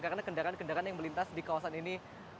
karena kendaraan kendaraan yang melintas di kawasan ini